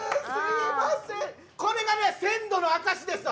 これが鮮度の証しですわ。